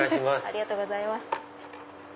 ありがとうございます！